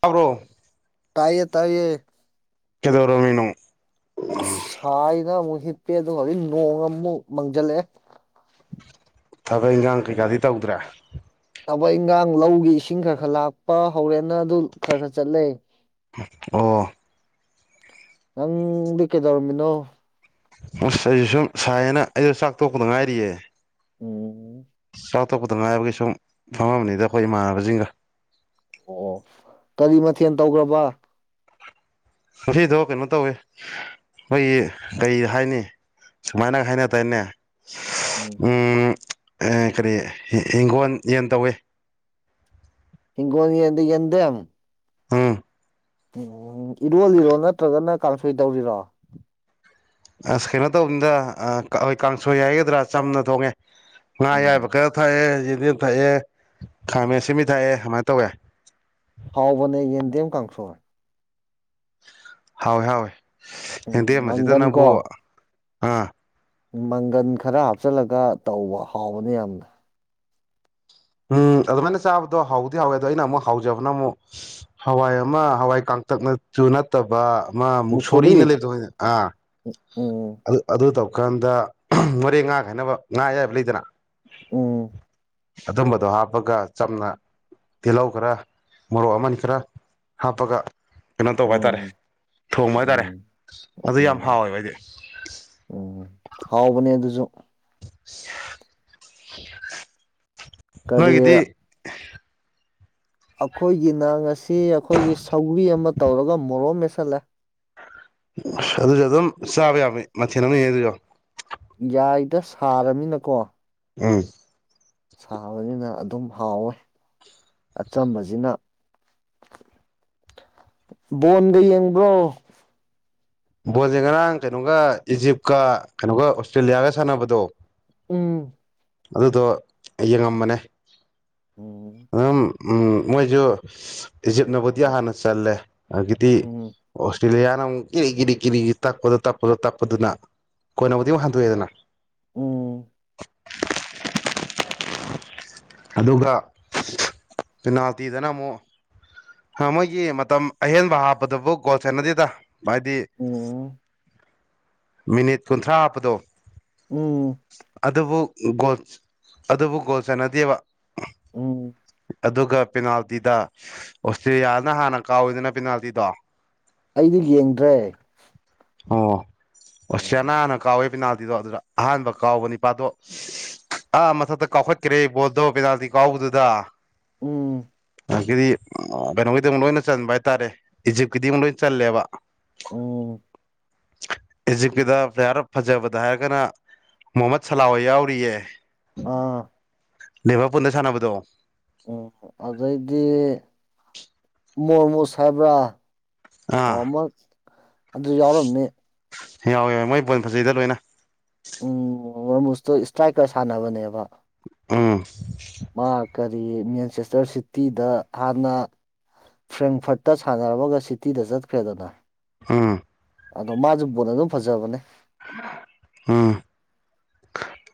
ꯇꯕ꯭ꯔꯣ ꯇꯌꯦ ꯇꯥꯏꯌꯦ ꯀꯦꯗꯧꯔꯣ ꯃꯤꯅꯣ ꯁ ꯁꯥꯏꯅ ꯑꯃꯨꯛ ꯍꯤꯞꯄꯦ ꯑꯗꯨꯒꯣ ꯍꯧꯖꯤꯛ ꯅꯣꯡ ꯑꯃꯃꯨꯛ ꯃꯥꯡꯁꯤꯜꯂꯛꯑꯦ ꯊꯕꯛ ꯏꯟꯈꯥꯡ ꯀꯩꯀꯥꯗꯤ ꯇꯧꯗ꯭ꯔꯦ ꯊꯕꯛ ꯏꯟꯈꯥꯡ ꯂꯧꯒꯤ ꯏꯁꯤꯡ ꯈꯔ ꯈꯔ ꯂꯥꯛꯄ ꯍꯧꯔꯦꯅ ꯑꯗꯨ ꯈꯔ ꯈꯔ ꯆꯠꯂꯦ ꯑꯣ ꯅꯪꯗꯤ ꯀꯩꯗꯧꯔꯝꯃꯤꯅꯣ ꯑꯁ ꯑꯩꯁꯨ ꯁꯨꯝ ꯁꯥꯏꯅ ꯑꯩꯗꯣ ꯆꯥꯛ ꯇꯣꯛꯄꯗ ꯉꯥꯏꯔꯤꯌꯦ ꯎꯝ ꯆꯥꯎꯊꯣꯛꯄꯗ ꯉꯥꯏꯕꯒꯤ ꯁꯨꯝ ꯐꯝꯃꯅꯤꯗ ꯑꯩꯈꯣꯏ ꯏꯃꯥꯟꯅꯕꯁꯤꯡꯒ ꯑꯣ ꯀꯔꯤ ꯃꯊꯦꯜ ꯇꯧꯈ꯭ꯔꯕ ꯑꯁꯤꯗꯣ ꯀꯩꯅꯣ ꯇꯧꯏꯤ ꯑꯩꯈꯣꯏꯒꯤ ꯀꯩ ꯍꯥꯏꯅꯤ ꯁꯨꯃꯥꯏꯅ ꯈꯅ ꯇꯅꯦ ꯎꯝ ꯎ ꯀꯔꯤ ꯍꯤꯡꯒꯣꯜ ꯌꯦꯟ ꯇꯧꯋꯦ ꯏꯒꯣ ꯌꯦ ꯌꯦꯟꯗꯦꯝ ꯎꯝ ꯎꯝ ꯏꯔꯣꯜꯂꯤꯔꯣ ꯅꯠꯇ꯭ꯔꯒꯅ ꯀꯥꯡꯐꯣꯏ ꯇꯧꯔꯤꯔꯣ ꯑꯁ ꯀꯩꯅꯣ ꯇꯧꯕꯅꯤꯗ ꯑꯩꯣꯏ ꯀꯥꯡꯁꯣꯏ ꯌꯥꯒꯗ꯭ꯔꯥ ꯆꯝꯅ ꯊꯣꯡꯉꯦ ꯉ ꯎꯝ ꯌꯥꯏꯕꯀꯔ ꯊꯥꯏꯑꯌꯦ ꯌꯦꯗꯤ ꯊꯥꯏꯑꯌꯦ ꯈꯥꯝꯦꯁꯤꯃꯤ ꯊꯥꯏꯑ ꯇꯧꯋꯦ ꯍꯥꯎꯕꯅꯦ ꯌꯦꯟꯗꯦꯝ ꯀꯥꯡꯁꯣꯔ ꯍꯥꯎꯋꯏ ꯍꯥꯎꯋꯦ ꯎꯝ ꯃꯪꯒꯟ ꯌꯦꯡꯗꯦꯝꯗꯅꯕꯨ ꯀꯣ ꯑꯥ ꯃꯪꯒꯟ ꯈꯔ ꯍꯥꯞꯆꯤꯜꯂꯒ ꯇꯧꯕ ꯍꯥꯎꯕꯅꯦ ꯌꯥꯝꯅ ꯎꯝ ꯑꯗꯨꯃꯥꯏꯅ ꯆꯥꯕꯗꯣ ꯍꯥꯎꯗꯤ ꯍꯥꯎꯋꯦ ꯑꯗꯣ ꯑꯩꯅ ꯑꯃꯨꯛ ꯍꯥꯎꯖꯕꯅ ꯑꯃꯨꯛ ꯍꯋꯥꯏ ꯑꯃ ꯍꯋꯥꯏ ꯄꯥꯡꯇꯛꯅꯁꯨꯨ ꯅꯠꯇꯕ ꯃꯥ ꯃꯨꯛꯁꯣꯔꯤ ꯃꯨꯛꯁꯣꯔꯤꯅ ꯂꯩꯕꯗꯅꯦ ꯑꯥ ꯎꯝ ꯑꯗꯨ ꯑꯗꯨ ꯇꯧ ꯋꯥꯈꯥꯟꯗ ꯃꯣꯔꯦ ꯉꯥ ꯈꯥꯏꯅꯕ ꯉꯥ ꯌꯥꯌꯥꯏꯕ ꯂꯩꯗꯅ ꯎꯝ ꯑꯗꯨꯝꯕꯗꯣ ꯍꯥꯞꯄꯒ ꯆꯝꯅ ꯇꯤꯜꯍꯧ ꯈꯔ ꯃꯣꯔꯣꯛ ꯑꯃꯟ ꯈꯔ ꯍꯥꯞꯄꯒ ꯀꯩꯅꯣ ꯇꯧꯕ ꯍꯥꯏꯇꯥꯔꯦ ꯎꯝ ꯊꯣꯡꯕ ꯍꯥꯏꯇꯥꯔꯦ ꯎꯝ ꯑꯗꯨ ꯌꯥꯝ ꯍꯥꯎꯋꯦꯕ ꯍꯥꯏꯗꯤ ꯍꯥꯎꯕ ꯀꯔꯤ ꯅꯣꯏꯒꯤꯗꯤ ꯑꯩꯈꯣꯏꯒꯤꯅ ꯑꯁꯤ ꯑꯩꯈꯣꯏꯒꯤ ꯁꯧꯒ꯭ꯔꯤ ꯑꯃ ꯇꯧꯔꯒ ꯃꯣꯔꯣ ꯃꯦꯠꯁꯜꯂꯦ ꯑꯗꯨꯁꯨ ꯑꯗꯨꯝ ꯆꯥꯕ ꯌꯥꯃꯦ ꯃꯊꯦꯜ ꯑꯃ ꯌꯦꯗꯔꯣ ꯌꯥꯏꯗ ꯁꯥꯔꯃꯤꯅꯀꯣ ꯎꯝ ꯁꯥꯕꯅꯤꯅ ꯑꯗꯨꯝ ꯍꯥꯎꯋꯦ ꯑꯆꯝꯕꯁꯤꯅ ꯕꯣꯟꯗ ꯌꯦꯡꯕ꯭ꯔꯣ ꯕꯣꯣꯟꯁꯦ ꯉꯔꯥꯡ ꯀꯩꯅꯣꯒ ꯏꯖꯤꯞꯀ ꯀꯩꯅꯣꯒ ꯑꯣꯁꯇ꯭ꯔꯦꯂꯤꯌꯥꯒ ꯁꯥꯟꯅꯕꯗꯣ ꯎꯝ ꯑꯗꯨꯗꯣ ꯌꯦꯡꯉꯝꯕꯅꯦ ꯎꯝ ꯎꯝ ꯃꯣꯏꯁꯨ ꯏꯖꯤꯞꯅꯕꯨꯗꯤ ꯍꯥꯟꯅ ꯆꯜꯂꯦ ꯑꯗꯒꯤꯗꯤ ꯎꯝ ꯇꯔꯤꯂꯤꯌꯥꯌꯥꯅ ꯑꯃꯨꯛ ꯏꯔꯤ ꯏꯔꯤ ꯀꯔꯤ ꯇꯛꯄꯗꯣ ꯇꯞꯄꯗꯣ ꯇꯞꯄꯗꯨꯅ ꯀꯣꯏꯅꯕꯨꯗꯤ ꯑꯃꯛ ꯍꯟꯗꯣꯛꯑꯦꯗꯅ ꯎꯝ ꯑꯗꯨꯒ ꯄꯦꯅꯥꯜꯇꯤꯗꯅ ꯑꯃꯨꯛ ꯃꯣꯏꯒꯤ ꯃꯇꯝ ꯑꯍꯦꯟꯕ ꯍꯥꯞꯄꯗꯕꯨ ꯒꯣꯁꯦꯟꯅꯗꯦꯗ ꯍꯥꯏꯗꯤ ꯎꯝ ꯃꯤꯅꯤꯠ ꯀꯨꯟꯊ꯭ꯔꯥ ꯍꯥꯞꯄꯗꯣ ꯎꯝ ꯑꯗꯨꯕꯨ ꯑꯗꯨꯕꯨ ꯒꯣꯁꯅꯗꯤꯕ ꯎꯝ ꯑꯗꯨꯒ ꯄꯦꯅꯥꯜꯇꯤꯗ ꯑꯣꯁꯇ꯭ꯔꯦꯂꯤꯌꯥꯅ ꯍꯥꯟꯅ ꯀꯥꯎꯋꯤꯗꯅ ꯄꯦꯅꯥꯜꯇꯤꯗꯣ ꯑꯩꯗꯨ ꯌꯦꯡꯗ꯭ꯔꯦ ꯎꯝ ꯑꯣꯅꯅ ꯀꯋꯥ ꯄꯅꯥ ꯗꯣ ꯑꯗꯨꯗ ꯑꯍꯥꯟꯕ ꯀꯥꯎꯕ ꯅꯤꯄꯥꯗꯣ ꯑꯥ ꯃꯊꯛꯇ ꯀꯥꯎꯈꯠꯀꯦ ꯕꯣꯗꯧ ꯄꯦꯅꯥꯗꯤ ꯀꯥꯎꯕꯗꯨꯗ ꯎꯝ ꯑꯗꯒꯤꯗꯤ ꯀꯩꯅꯣꯒꯤꯗꯤ ꯑꯃꯨꯛ ꯂꯣꯏꯅ ꯆꯟꯕ ꯍꯥꯏꯇꯥꯔꯦ ꯏꯖꯤꯞꯀꯤꯗꯤ ꯑꯃꯨꯛ ꯂꯣꯏ ꯆꯜꯂꯦꯕ ꯎꯝ [inaudible] ꯏꯖꯤꯞꯀꯤꯗ ꯄ꯭ꯂꯦꯌꯥꯔ ꯐꯖꯕꯗ ꯍꯥꯏꯔꯒꯅ ꯃꯨꯍꯃꯠ ꯁꯂꯥꯍꯣꯏ ꯌꯥꯎꯔꯤꯌꯦ ꯑꯥ ꯅꯕ ꯄꯨꯟꯅ ꯁꯅꯅꯕꯗꯣ ꯎꯝ ꯑꯗꯩꯗꯤ ꯃꯣꯔꯃꯨ ꯁꯥꯕ꯭ꯔꯥ ꯑꯥ ꯑꯃ ꯑꯗꯨ ꯌꯥꯎꯔꯃꯦ ꯌꯥꯎꯋꯦ ꯌꯥꯎꯋꯦ ꯃꯣꯏ ꯄꯣꯏꯟ ꯐꯖꯩꯗ ꯂꯣꯏꯅ ꯃ ꯃꯨꯁꯇꯣ ꯏꯁꯇ꯭ꯔꯥꯏꯀꯔ ꯁꯥꯟꯅꯕꯅꯦꯕ ꯑꯥ ꯑꯗꯒꯤ ꯃꯦꯟꯆꯦꯁꯇꯔ ꯁꯤꯇꯤꯗ ꯍꯥꯟꯅ ꯐ꯭ꯔꯦꯡꯐꯔꯠꯇ ꯁꯥꯟꯅꯔꯝꯃꯒ ꯁꯤꯇꯤꯗ ꯆꯠꯈ꯭ꯔꯦꯗꯅ ꯑ ꯎꯝ ꯑꯗꯣ ꯃꯥꯁꯨ ꯕꯣꯠ ꯑꯗꯨꯝ ꯐꯖꯕꯅꯦ ꯑꯝ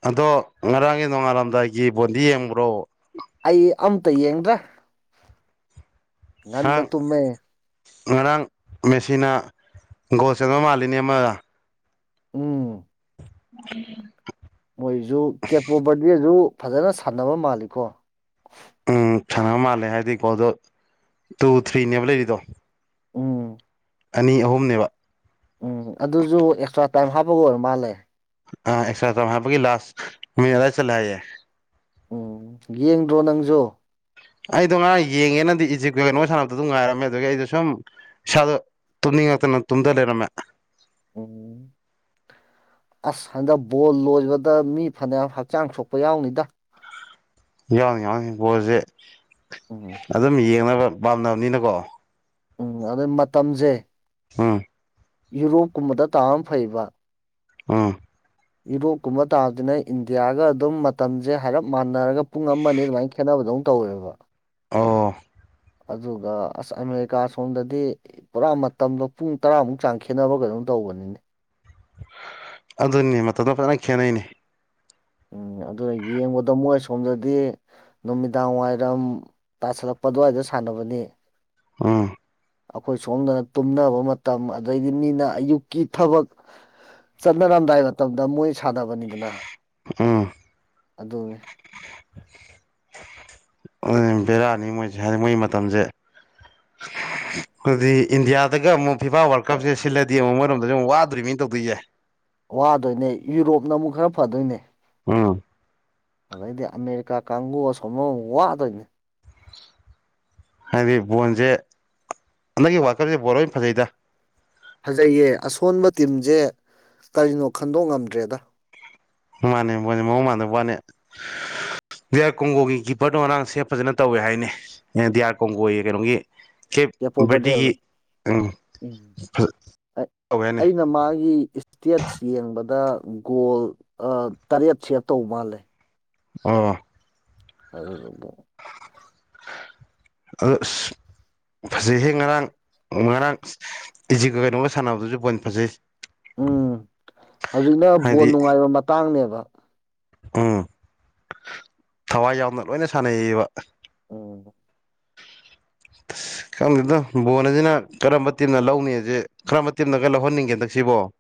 ꯑꯗꯣ ꯉꯔꯥꯡꯒꯤ ꯅꯣꯡꯉꯥꯜꯂꯝꯗꯥꯏꯒꯤ ꯕꯣꯟꯗꯤ ꯌꯦꯡꯕ꯭ꯔꯣ ꯑꯩ ꯑꯃꯝꯇ ꯌꯦꯡꯗ꯭ꯔꯦ ꯉꯟꯅ ꯉꯔꯥꯡ ꯇꯨꯝꯃꯦ ꯉꯔꯥꯡ ꯃꯦꯆꯤꯟꯅ ꯒꯣꯜ ꯆꯪꯕ ꯃꯥꯜꯂꯤꯅꯤ ꯑꯃꯗ ꯎꯝ ꯎꯝ ꯃꯣꯏꯁꯨ ꯀꯦꯄꯣ ꯕꯔꯗꯦꯁꯨ ꯐꯖꯅ ꯁꯥꯟꯅꯕ ꯃꯥꯜꯂꯤꯀꯣ ꯎꯝ ꯁꯅꯕ ꯃꯥꯜꯂꯦ ꯍꯥꯏꯔꯗꯤꯀꯣ ꯑꯗꯣ ꯇꯨ ꯊ꯭ꯔꯤꯅꯦꯕ ꯂꯩꯔꯤꯗꯣ ꯎꯝ ꯑꯅꯤ ꯑꯍꯨꯝꯅꯦꯕ ꯎꯝ ꯑꯗꯨꯁꯨ ꯑꯦꯛꯁꯇ꯭ꯔꯥ ꯇꯥꯏꯝ ꯍꯥꯞꯄꯒ ꯑꯣꯏꯔ ꯃꯥꯜꯂꯦ ꯑ ꯑꯦꯁꯥ ꯋꯥꯍ ꯄꯒꯤ ꯂꯥꯁ ꯃꯗ ꯆꯜꯂꯦ ꯎꯝ ꯌꯦꯡꯗ꯭ꯔꯣ ꯅꯪꯁꯨ ꯑꯩꯗꯣ ꯉꯥꯏ ꯌꯦꯡꯉꯦꯅꯗꯤ ꯏꯖꯤꯞꯀꯤ ꯅꯣ ꯁꯥꯟꯅꯕꯛꯇ ꯑꯗꯨꯝ ꯉꯥꯏꯔꯝꯃꯦ ꯑꯗꯨꯗꯒꯤ ꯑꯩꯗꯣ ꯁꯨꯝ ꯏꯁꯥꯗꯣ ꯇꯨꯝꯃꯤꯉꯇꯅ ꯇꯨꯝꯗ ꯂꯩꯔꯝꯃꯦ ꯎꯝ ꯑꯁ ꯍꯟꯗꯛ ꯕꯣꯜ ꯂꯣꯏꯕꯗ ꯃꯤ ꯐꯅꯦꯛ ꯍꯛꯆꯥꯡ ꯁꯣꯛꯄ ꯌꯥꯎꯅꯤꯗ ꯌꯥꯎꯅꯤ ꯌꯥꯎꯅꯤ ꯕꯣꯜꯁꯦ ꯎꯝ ꯑꯗꯨꯝ ꯌꯦꯡꯅꯕ ꯄꯥꯝꯅꯕꯅꯤꯅꯀꯣ ꯎꯝ ꯑꯗꯨꯗ ꯃꯇꯝꯁꯦ ꯎꯝ ꯌꯨꯔꯣꯞꯀꯨꯝꯕꯗ ꯇꯥ ꯑꯃ ꯐꯩꯕꯥ ꯎꯃ ꯌꯨꯔꯣꯞꯀꯨꯝꯕ ꯇꯥꯕꯗꯨꯅ ꯏꯟꯗꯤꯌꯥꯒ ꯑꯗꯨꯝ ꯃꯇꯝꯁꯦ ꯍꯥꯏꯔꯞ ꯃꯥꯟꯅꯔꯒ ꯄꯨꯡ ꯑꯃ ꯑꯅꯤ ꯑꯗꯨꯃꯥꯏꯅ ꯈꯦꯠꯅꯕꯗꯧ ꯇꯧꯋꯦꯕ ꯑꯣ ꯑꯗꯨꯒ ꯑꯁ ꯑꯃꯦꯔꯤꯀꯥ ꯁꯣꯝꯗꯗꯤ ꯄꯨꯔꯥ ꯃꯇꯝꯗꯣ ꯄꯨꯡ ꯇꯔꯥꯃꯨꯛ ꯆꯥꯡ ꯈꯦꯠꯅꯕ ꯀꯩꯅꯣꯝ ꯇꯧꯕꯅꯤꯅꯦ ꯑꯗꯨꯅꯤ ꯃꯇꯝꯗ ꯐꯖꯅ ꯈꯦꯠꯅꯩꯅꯦ ꯑꯗꯨ ꯌꯦꯡꯕꯗ ꯃꯣꯏ ꯁꯣꯝꯗꯗꯤ ꯅꯨꯃꯤꯗꯥꯡ ꯋꯥꯏꯔꯝ ꯇꯥꯁꯜꯂꯛꯄ ꯑꯗꯨꯋꯥꯏꯗ ꯁꯥꯟ ꯁꯥꯟꯅꯕꯅꯤ ꯑꯥ ꯑꯈꯣꯏ ꯁꯣꯝꯗꯅ ꯇꯨꯝꯅꯕ ꯃꯇꯝ ꯑꯗꯩꯗꯤ ꯃꯤꯅ ꯑꯌꯨꯛꯀꯤ ꯊꯕꯛ ꯆꯠꯅꯔꯝꯗꯥꯏ ꯃꯇꯝꯗ ꯃꯣꯏ ꯁꯥꯟꯅꯕꯅꯤꯗꯅ ꯎꯝ ꯑꯗꯨꯅꯦ ꯑꯗꯨ ꯕꯦꯔꯥꯅꯤ ꯃꯣꯏꯁꯦ ꯍꯥꯏꯗꯤ ꯃꯣꯏ ꯃꯇꯝꯁꯦ [inaudible] ꯑꯗꯨꯗꯤ ꯏꯟꯗꯤꯌꯥꯗꯒ ꯑꯃꯨꯛ ꯐꯤꯐꯥ ꯋꯥꯔꯜ ꯀꯞꯁꯦ ꯁꯤꯜꯂꯗꯤ ꯑꯃꯨꯛ ꯃꯣꯏꯔꯣꯝꯗꯗꯤ ꯑꯃꯨꯛ ꯋꯥꯗꯨꯔꯤꯕꯅꯤꯅꯦ ꯇꯧꯗꯣꯏꯁꯦ ꯋꯥꯗꯣꯏꯅꯦ ꯌꯨꯔꯣꯞꯅ ꯑꯃꯨꯛ ꯈꯔ ꯐꯗꯣꯏꯅꯦ ꯎꯝ ꯑꯗꯩꯗꯤ ꯑꯃꯦꯔꯤꯀꯥ ꯀꯥꯡꯕꯨ ꯁꯣꯃꯣ ꯋꯥꯗꯣꯏꯅꯦ [inaudible] ꯍꯥꯏꯕꯗꯤ ꯕꯣꯟꯁꯦ ꯑꯃꯒꯤ ꯋꯥꯔꯜꯀꯞꯁꯦ ꯕꯣꯟ ꯂꯣꯏ ꯐꯖꯩꯗ ꯐꯖꯩꯌꯦ ꯑꯁꯣꯟꯕ ꯇꯤꯝꯁꯦ ꯀꯔꯤꯅꯣ ꯈꯟꯗꯣꯛ ꯉꯝꯗ꯭ꯔꯦꯗ ꯃꯥꯅꯦ ꯕꯣꯟꯁꯦ ꯃꯑꯣꯡ ꯃꯥꯟꯗꯕꯥ ꯋ꯭ꯅꯦ ꯗꯤꯌꯥꯥꯔ ꯀꯣꯡꯒꯣꯒꯤ ꯀꯤꯞꯄꯔꯗꯣ ꯉꯥꯔꯥꯡ ꯁꯦꯕ ꯐꯖꯅ ꯇꯧꯋꯦ ꯍꯥꯏꯅꯦ ꯑꯦ ꯗꯤꯌꯥꯥꯔ ꯀꯣꯡꯒꯣꯒꯤ ꯀꯩꯅꯣꯒꯤ ꯀꯦꯞ ꯀꯦꯄꯣ ꯕꯔꯗꯤꯒꯤ ꯕꯔꯗꯦꯜ ꯎꯝ ꯎꯝ ꯇꯧꯋꯦ ꯍꯥꯏꯅꯦ ꯑꯩꯅ ꯃꯥꯒꯤ ꯏꯁꯇꯦꯠꯁ ꯌꯦꯡꯕꯗ ꯒꯣꯜ ꯇꯔꯦꯠ ꯁꯦꯞ ꯇꯧꯕ ꯃꯥꯜꯂꯦ ꯑꯣ ꯑꯗꯨꯔꯝꯕ ꯑꯗꯣ ꯑꯁ ꯐꯖꯩꯍꯦ ꯉꯔꯥꯡ ꯉꯔꯥꯡ ꯏꯖꯤꯛꯀ ꯀꯩꯅꯣꯒ ꯁꯥꯟꯅꯕꯗꯨꯁꯨ ꯄꯣꯏꯟ ꯐꯖꯩ ꯎꯝ ꯍꯧꯖꯤꯛꯅ ꯕꯣꯟ ꯍꯥꯏꯗꯤ ꯅꯨꯡꯉꯥꯏꯕ ꯃꯇꯥꯡꯅꯦꯕ ꯎꯝ ꯊꯋꯥꯏ ꯌꯥꯎꯅ ꯂꯣꯏꯅ ꯁꯥꯟꯅꯩꯌꯦꯕ ꯑꯣ [inaudible] ꯈꯪꯗꯦꯅ ꯕꯣꯜ ꯑꯁꯤꯅ ꯀꯔꯝꯕ ꯇꯤꯝꯅ ꯂꯧꯅꯤꯁꯦ ꯀꯔꯝꯕ ꯇꯤꯝꯅꯒ ꯂꯧꯍꯟꯅꯤꯡꯒꯦ ꯍꯟꯗꯛ ꯁꯤꯕꯣ [inaudible]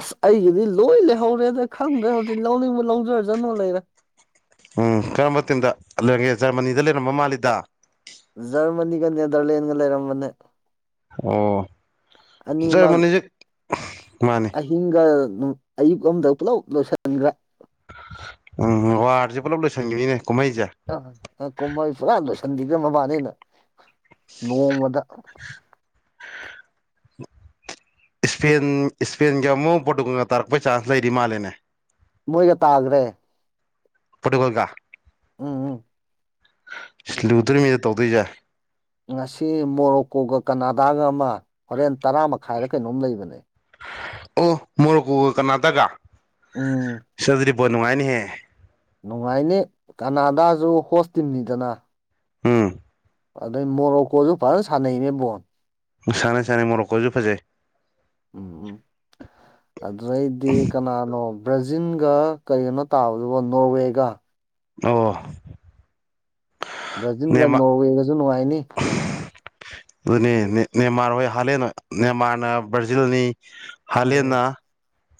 ꯑꯁ ꯑꯩꯒꯤꯗꯤ ꯂꯣꯏ ꯂꯩꯍꯧꯔꯦꯗ ꯈꯪꯗ꯭ꯔꯦ ꯍꯧꯖꯤꯛ ꯂꯧꯅꯤꯡꯕ ꯂꯧꯖꯔꯥꯖꯅꯨ ꯂꯩꯔꯦ ꯎꯝ ꯀꯔꯝꯕ ꯃꯇꯝꯤꯟꯗ ꯂꯩꯔꯒꯦ ꯖꯔꯃꯅꯤꯗ ꯂꯩꯔꯝꯕ ꯃꯥꯜꯂꯤꯗ ꯖꯔꯃꯅꯤꯒ ꯅꯦꯗꯔꯂꯦꯟꯒ ꯂꯩꯔꯝꯕꯅꯦ ꯑꯣ ꯑꯅꯤꯃꯛ ꯖꯔꯃꯅꯤꯁꯦ ꯃꯥꯅꯤ ꯑꯍꯤꯡꯒ ꯑꯌꯨꯛ ꯑꯃꯝꯗ ꯄꯨꯂꯞ ꯂꯣꯏꯁꯟꯒꯔ꯭ꯦ ꯎꯝ ꯋꯥꯔꯁꯦ ꯄꯨꯂꯞ ꯂꯣꯏꯁꯟꯈꯤꯕꯅꯤꯅꯦ ꯑ ꯀꯨꯝꯃꯩ ꯐꯖꯅꯥ ꯂꯣꯏꯁꯟꯈꯤꯕꯗꯥ ꯃꯕꯥꯅꯤꯅ ꯅꯣꯡꯃꯗ ꯏꯁꯄꯦꯟ ꯏꯁꯄꯦꯟꯒ ꯑꯃꯨꯛ ꯄꯣꯔꯇꯨꯒꯜꯒ ꯇꯥꯔꯛꯄꯩ ꯆꯥꯟꯁ ꯂꯩꯔꯤ ꯃꯥꯜꯂꯦꯅꯦ ꯃꯣꯏꯒ ꯇꯥꯈ꯭ꯔꯦ ꯄꯨꯠꯀꯣꯜꯒ ꯎꯝ ꯎꯝ ꯑꯁ ꯂꯨꯗ꯭ꯣꯏ ꯃꯤꯗ ꯇꯧꯗꯣꯏꯁꯦ ꯉꯁꯤ ꯃꯣꯔꯣꯛꯀꯣꯒ ꯀꯅꯥꯗꯥꯒ ꯑꯃ ꯍꯣꯔꯦꯟ ꯇꯔꯥ ꯃꯈꯥꯏꯗ ꯀꯩꯅꯣꯝ ꯂꯩꯕꯅꯦ ꯑꯣ ꯃꯣꯔꯣꯛꯀꯨ ꯀꯅꯥꯇꯒ ꯎꯝ ꯁꯤ ꯑꯗꯨꯗꯤ ꯕꯣꯠ ꯅꯨꯡꯉꯥꯏꯅꯤꯍꯦ ꯅꯨꯡꯉꯥꯏꯅꯤ ꯀꯅꯥꯗꯥꯁꯨ ꯍꯣꯁ ꯇꯤꯝꯅꯤꯗꯅ ꯎꯝ ꯑꯗꯩ ꯃꯣꯔꯣꯛꯀꯣꯁꯨ ꯐꯖꯅ ꯁꯥꯟꯅꯩꯅꯦꯕꯣꯟ ꯁꯥꯟ ꯁꯥꯟ ꯃꯣꯔꯣꯛꯈꯁꯨ ꯐꯖꯩ ꯎꯝꯝ ꯑꯗꯨꯩꯗꯤ ꯀꯅꯥꯅꯣ ꯕ꯭ꯔꯖꯤꯟꯒ ꯀꯔꯤꯅꯣ ꯇꯥꯕꯗꯨꯕꯨ ꯅꯣꯔꯋꯦꯒ ꯑꯣ ꯕ꯭ꯔꯥꯖꯤꯜꯒ ꯅꯦꯃꯥ ꯅꯣꯔꯋꯦꯒꯁꯨ ꯅꯨꯡꯉꯥꯏꯅꯤ ꯑꯗꯨꯅꯤ ꯃ꯭ꯦꯟꯃꯥꯔ ꯍꯣꯏ ꯍꯥꯂꯦꯟ ꯃꯦꯟꯃꯥꯔꯅ ꯕ꯭ꯔꯥꯖꯤꯜꯅꯤ ꯍꯥꯂꯦꯟꯅ ꯎꯝ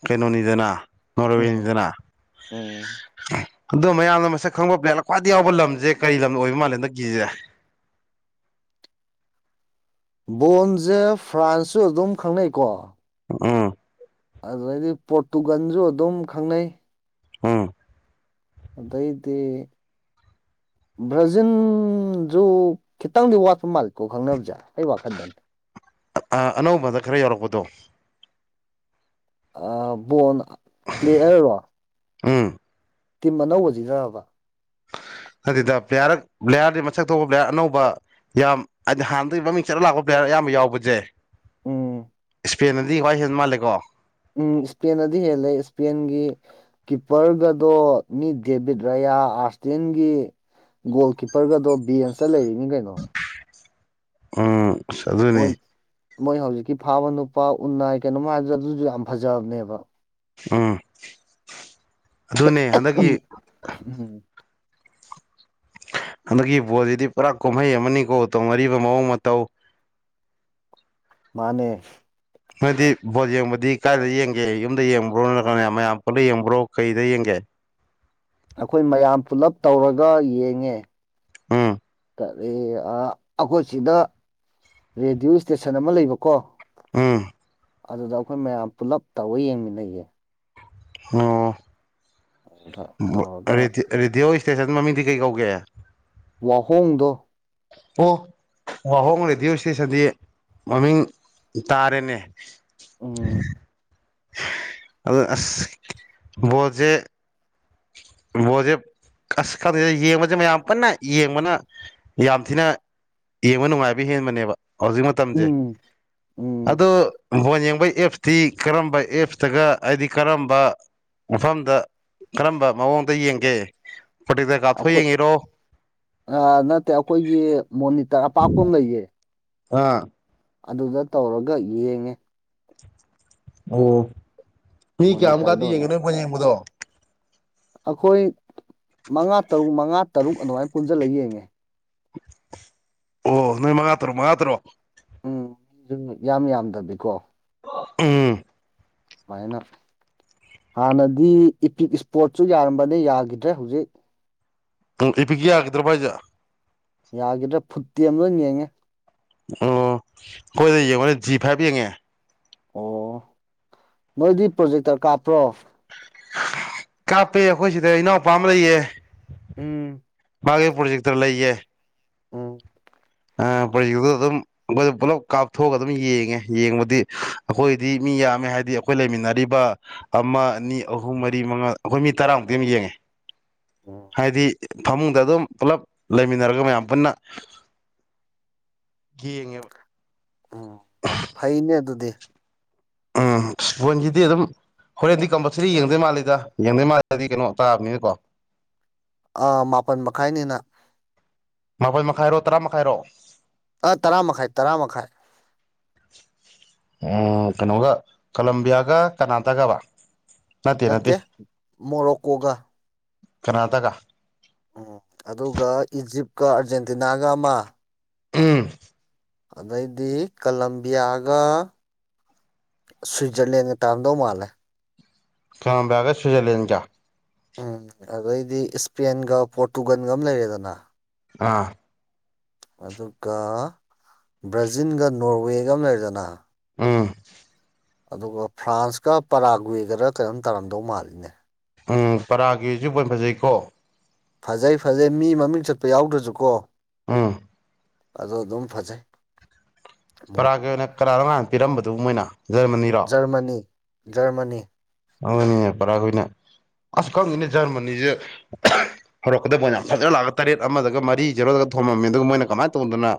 ꯀꯩꯅꯣꯅꯤꯗꯅ ꯎꯝ ꯎꯝ ꯅꯣꯔꯋꯦꯅꯤꯗꯅ ꯎꯝ ꯑꯗꯣ ꯃꯌꯥꯝꯅ ꯃꯁꯛ ꯈꯪꯕ ꯄ꯭ꯂꯦꯠꯂ ꯈ꯭ꯋꯥꯏ ꯌꯥꯎꯕ ꯂꯝꯁꯦ ꯀꯔꯤ ꯂꯝꯅ ꯑꯣꯏꯕ ꯃꯥꯜꯂꯦ ꯀꯅꯒꯦ ꯕꯣꯟꯁꯦ ꯐ꯭ꯔꯥꯟꯁꯁꯨ ꯑꯗꯨꯝ ꯈꯪꯅꯩꯀꯣ ꯑꯥ ꯑꯗꯨꯩꯗꯤ ꯄꯣꯔꯇꯨꯒꯟꯁꯨ ꯑꯗꯨꯝ ꯈꯪꯅꯩ ꯎꯝ ꯑꯗꯩꯗꯤ [inaudible] ꯕ꯭ꯔꯖꯤꯟꯁꯨ ꯈꯤꯇꯪꯗꯤ ꯋꯥꯠꯄ ꯃꯥꯜꯂꯤꯀꯣ ꯈꯪꯅꯕꯁꯦ ꯑꯩ ꯋꯥꯈꯟꯗ ꯑꯅꯧꯕꯗ ꯈꯔ ꯌꯧꯔꯛꯄꯗꯣ ꯕꯣꯟ ꯄ꯭ꯂꯦ ꯍꯥꯏꯔꯔꯣ ꯑꯥ ꯇꯤꯝ ꯑꯅꯧꯕꯁꯤ ꯅꯔꯕ ꯑꯗꯨꯗ ꯄ꯭ꯂꯦꯌꯥꯔ ꯄ꯭ꯂꯦꯌꯥꯔꯗꯤ ꯃꯁꯛ ꯊꯣꯛꯄ ꯄ꯭ꯂꯦꯌꯥꯔ ꯑꯅꯧꯕ ꯌꯥꯝ ꯍꯥꯏꯗꯤ ꯍꯥꯟꯅꯗꯒꯤ ꯃꯃꯤꯡ ꯆꯠꯂ ꯂꯥꯛꯄ ꯄ꯭ꯂꯦꯌꯥꯔ ꯑꯌꯥꯝꯕ ꯌꯥꯎꯕꯖꯦ ꯎꯝ ꯏꯁꯄꯦꯟꯗꯗꯤ ꯈ꯭ꯋꯥꯏ ꯍꯦꯟꯟꯅ ꯃꯥꯜꯂꯦꯀꯣ ꯎꯝ ꯏꯁꯄꯦꯟꯗꯗꯤ ꯍꯦꯜꯂꯦ ꯏꯁꯄꯦꯟꯒꯤ ꯀꯤꯞꯄꯔꯒꯗꯣ ꯃꯤ ꯗꯦꯕꯤꯠ ꯔꯌꯥ ꯑꯥꯔꯁꯇꯟꯒꯤ ꯒꯣꯜ ꯀꯤꯞꯄꯔꯒꯗꯣ ꯕꯤꯦꯟꯁꯇ ꯂꯩꯔꯤꯅꯤ ꯀꯩꯅꯣ ꯎꯝ ꯑꯗꯨ ꯑꯗꯨꯅꯦ ꯃꯣꯏ ꯃꯣꯏ ꯍꯧꯖꯤꯛꯀꯤ ꯐꯥꯕ ꯅꯨꯄꯥ ꯎꯅꯥꯏ ꯀꯩꯅꯣꯝꯃ ꯍꯥꯏꯕꯗ ꯑꯗꯨꯁꯨ ꯌꯥꯝ ꯐꯖꯕꯅꯦꯕ ꯎꯝ ꯑꯗꯨꯅꯦ ꯍꯟꯗꯛꯀꯤ ꯎꯝ ꯍꯟꯗꯛꯀꯤ ꯄꯣꯠꯁꯤꯗꯤ ꯄꯨꯔꯥ ꯀꯨꯝꯍꯩ ꯑꯃꯅꯤꯀꯣ ꯇꯧꯅꯔꯤꯕ ꯃꯑꯣꯡ ꯃꯇꯧ ꯃꯥꯅꯦ ꯅꯣꯏꯗꯤ ꯚꯣꯠ ꯌꯦꯡꯕꯗꯤ ꯀꯥꯏꯏꯗ ꯌꯦꯡꯒꯦ ꯌꯨꯝꯗ ꯌꯦꯡꯕ꯭ꯔꯣ ꯅꯠꯇ꯭ꯔꯒꯅꯦ ꯃꯌꯥꯝ ꯄꯨꯜꯂ ꯌꯦꯡꯕ꯭ꯔꯣ ꯀꯩꯗ ꯌꯦꯡꯒꯦ ꯑꯩꯈꯣꯏ ꯃꯌꯥꯝ ꯄꯨꯂꯞ ꯇꯧꯔꯒ ꯌꯦꯡꯉꯦ ꯑꯥ ꯑꯩꯈꯣꯏ ꯁꯤꯗ ꯔꯦꯗꯤꯑꯣ ꯏꯁꯇꯦꯁꯟ ꯑꯃ ꯂꯩꯕꯀꯣ ꯎꯝ ꯑꯗꯨꯗ ꯑꯩꯈꯣꯏ ꯃꯌꯥꯝ ꯄꯨꯂꯞ ꯇꯧꯔ ꯌꯦꯡꯃꯤꯟꯅꯩꯌꯦ ꯑꯗꯨꯗ ꯑꯣꯗꯤ ꯇꯧꯔꯒ ꯔꯔꯤꯗꯤ ꯑꯣꯏ ꯏꯁꯇꯦꯁꯟ ꯃꯃꯤꯡꯗꯤ ꯀꯩ ꯀꯧꯒꯦ ꯋꯥꯍꯣꯡꯗꯣ ꯑꯣ ꯋꯥꯍꯣꯡ ꯔꯦꯗꯤꯑꯣ ꯏꯁꯇꯦꯁꯟꯗꯤ ꯃꯃꯤꯡ ꯇꯥꯔꯦꯅꯦ ꯎꯝ ꯑꯗꯨ ꯑ ꯣꯖꯦ ꯃꯁꯦ ꯑꯁ ꯀꯥꯟꯗꯗ ꯌꯦꯡꯕꯁꯦ ꯃꯌꯥꯝ ꯀꯟꯅ ꯌꯦꯡꯕꯅ ꯌꯥꯝ ꯊꯤꯅ ꯌꯦꯡꯕ ꯅꯨꯡꯉꯥꯏꯕ ꯍꯦꯟꯕꯅꯦꯕ ꯍꯧꯖꯤꯛ ꯃꯇꯝꯁꯦ ꯎꯝ ꯎꯝ ꯑ ꯍꯣꯟꯡ ꯑꯩꯈꯣꯏ ꯑꯦꯞꯁꯇꯤ ꯀꯔꯝꯕ ꯑꯦꯞꯁꯇꯒ ꯍꯥꯏꯗꯤ ꯀꯔꯝꯕ ꯃꯐꯝꯗ ꯀꯔꯝꯕ ꯃꯑꯣꯡꯗ ꯌꯦꯡꯒꯦ ꯄ꯭ꯔꯣꯇꯦꯛꯇꯔ ꯀꯥꯞꯊꯣꯛ ꯑꯩꯈꯣꯏ ꯌꯦꯡꯉꯤꯔꯣ ꯅꯠꯇꯦ ꯑꯩꯈꯣꯏꯒꯤ ꯃꯣꯅꯤꯇꯔ ꯑꯄꯥꯛꯄ ꯑꯃ ꯂꯩꯌꯦ ꯑꯥ ꯑꯗꯨꯗ ꯇꯧꯔꯒ ꯌꯦꯡꯉꯦ ꯑꯣ ꯄ ꯀꯌꯥ ꯃꯣꯅꯤꯇꯔꯗ ꯑꯃꯨꯛꯀꯗꯤ ꯌꯦꯡꯉꯦ ꯑꯣꯏꯅ ꯅꯣꯏ ꯐꯣꯏ ꯌꯦꯡꯕꯗꯣ ꯑꯩꯈꯣꯏ ꯃꯉꯥ ꯇꯔꯨꯛ ꯃꯉꯥ ꯇꯔꯨꯛ ꯑꯗꯨꯃꯥꯏꯅ ꯄꯨꯟꯁꯤꯜꯂꯒ ꯌꯦꯡꯉꯦ ꯑꯣ ꯅꯣꯏ ꯃꯉꯥ ꯇꯔꯨꯛ ꯃꯉꯥ ꯇꯔꯨꯛ ꯎꯝ ꯌꯥꯝ ꯌꯥꯝꯗꯕꯤꯀꯣ ꯎꯝ ꯃꯥꯏꯅ ꯍꯥꯟꯅꯗꯤ ꯏꯄꯤꯛ ꯏꯁꯄꯣꯠꯁꯨ ꯌꯥꯔꯝꯕꯅꯦ ꯌꯥꯈꯤꯗ꯭ꯔꯦ ꯍꯧꯖꯤꯛ ꯎꯝ ꯏ ꯄꯛ ꯌꯥꯒꯗ꯭ꯔ ꯄ ꯍꯥꯏꯖꯦ ꯌꯥꯈꯤꯗ꯭ꯔꯦ ꯐꯨꯠꯇꯤ ꯑꯃ ꯂ ꯌꯦꯡꯉꯦ ꯑꯣ ꯑꯩꯈꯣꯏꯗ ꯌꯦꯡꯉꯣꯅꯦ ꯖꯤ ꯐꯥꯏꯚ ꯌꯦꯡꯉꯦ ꯑꯣ ꯅꯣꯏꯗꯤ ꯄ꯭ꯔꯣꯖꯦꯛꯇꯔ ꯀꯥꯞꯄ꯭ꯔꯣ ꯀꯥꯞꯄꯦ ꯑꯩꯈꯣꯏ ꯁꯤꯗ ꯏꯅꯥꯎꯄꯥ ꯑꯃ ꯂꯩꯌꯦ ꯎꯝ ꯕꯥꯒꯦꯄꯨꯔꯖꯤꯛꯇꯔ ꯂꯩꯌꯦ ꯎꯝ ꯄꯔꯤꯛꯇꯨꯗ ꯑꯗꯨꯝ ꯑꯩꯈꯣꯏ ꯄꯨꯂꯞ ꯀꯥꯞꯊꯣꯛꯑꯒ ꯑꯗꯨꯝ ꯌꯦꯡꯉꯦ ꯌꯦꯡꯕꯗꯤ ꯑꯩꯈꯣꯏꯗꯤ ꯃꯤ ꯃꯤ ꯌꯥꯝꯃꯦ ꯍꯥꯏꯗꯤ ꯑꯩꯈꯣꯏ ꯂꯩꯃꯤꯟꯅꯔꯤꯕ ꯑꯃ ꯑꯅꯤ ꯑꯍꯨꯝ ꯃꯔꯤ ꯃꯉꯥ ꯑꯩꯈꯣꯏ ꯃꯤ ꯇꯔꯥꯃꯨꯛꯇꯤ ꯑꯃ ꯌꯦꯡꯉꯦ ꯎꯝ ꯍꯥꯏꯗꯤ ꯐꯃꯨꯡꯗ ꯑꯗꯨꯝ ꯄꯨꯂꯞ ꯂꯩꯃꯤꯟꯅꯔꯒ ꯃꯌꯥꯝ ꯄꯨꯟꯅ ꯌꯦꯉꯦ ꯎꯝ ꯐꯩꯅꯦ ꯑꯗꯨꯗꯤ ꯎꯝꯄꯣꯟꯁꯤꯗꯤ ꯑꯗꯨꯝ ꯍꯣꯔꯦꯟꯗꯤ ꯀꯝꯄꯜꯁꯔꯤ ꯌꯦꯡꯗꯣꯏ ꯃꯥꯜꯂꯤꯦꯗ ꯌꯦꯡꯗꯣꯏ ꯃꯥꯜꯂꯤꯦꯗꯗꯤ ꯀꯩꯅꯣ ꯇꯥꯕꯅꯤꯅꯀꯣ ꯑꯥ ꯃꯥꯄꯜ ꯃꯈꯥꯏꯅꯤꯅ ꯑꯩꯈꯣꯏ ꯃꯈꯥꯏꯔꯣ ꯇꯔꯥ ꯃꯈꯥꯏꯔꯣ ꯑꯥ ꯇꯔꯥ ꯃꯈꯥꯏ ꯇꯔꯥ ꯃꯈꯥꯏ ꯎꯝ ꯀꯩꯅꯣꯒ ꯀꯂꯝꯕꯤꯌꯥꯒ ꯀꯅꯥꯇꯒꯕ ꯅꯠꯇꯦ ꯃꯣꯔꯣꯀꯣꯒ ꯀꯅꯥꯇꯀ ꯎꯝ ꯑꯗꯨꯒ ꯏꯖꯤꯞꯀ ꯑꯥꯔꯖꯦꯟꯇꯤꯅꯥꯒ ꯑꯃ ꯎꯝ ꯑꯗꯩꯗꯤ ꯀꯂꯝꯕꯤꯌꯥꯒ ꯁ꯭ꯋꯤꯠꯖꯔꯂꯦꯟꯒ ꯇꯥꯝꯗꯧ ꯃꯥꯜꯂꯦ ꯀ ꯒ ꯁ꯭ꯤꯠꯖꯔꯂꯦꯟ ꯆ ꯎꯝ ꯑꯗꯩꯗꯤ ꯏꯁꯄꯦꯟꯒ ꯄꯣꯔꯇꯨꯒꯜꯒ ꯑꯃ ꯂꯩꯔꯦꯗꯅ ꯑꯥ ꯑꯗꯨꯒ ꯕ꯭ꯔꯥꯖꯤꯜꯒ ꯅꯣꯔꯋꯦꯒ ꯑꯃ ꯂꯩꯔꯗꯅ ꯑꯝ ꯑꯗꯨꯒ ꯐ꯭ꯔꯥꯟꯁꯀ ꯄꯔꯥꯒꯋꯦꯒꯔ ꯀꯩꯅꯣꯝ ꯇꯥꯔꯝꯗꯧ ꯃꯥꯜꯂꯤꯅꯦ ꯎꯝ ꯄꯔꯥꯒꯤ ꯍꯧꯖꯤꯛ ꯑꯣꯏꯅ ꯐꯖꯩꯀꯣ ꯐꯖꯩ ꯐꯖꯩ ꯃꯤ ꯃꯃꯤꯡ ꯆꯠꯄ ꯌꯥꯎꯗ꯭ꯔꯁꯨꯀꯣ ꯑꯥ ꯑꯗ ꯑꯗꯨꯝ ꯐꯖꯩ ꯃꯣꯠ ꯄꯔꯥꯒꯤ ꯑꯣꯏꯅ ꯀꯔꯥꯔꯣꯉꯥꯟꯅ ꯄꯤꯔꯝꯕꯗꯨ ꯃꯣꯏꯅ ꯖꯔꯃꯅꯤꯔꯣ ꯖꯔꯃꯅꯤ ꯖꯔꯃꯅꯤ ꯍꯅꯤꯅꯦ ꯄꯔꯥꯈꯏꯅ ꯑꯁ ꯈꯪꯉꯅꯦ ꯖꯔꯃꯅꯤꯁꯦ ꯍꯧꯔꯛꯀꯗꯕ ꯑꯣꯏꯅ ꯐꯖꯅ ꯂꯥꯛꯑꯒ ꯇꯔꯦꯠ ꯑꯃꯗꯒ ꯃꯔꯤ ꯖꯦꯔꯣꯗꯒ ꯊꯣꯝꯃꯝꯃꯤ ꯑꯗꯨꯒ ꯃꯣꯏꯅ ꯀꯃꯥꯏꯅ ꯇꯧꯗꯅ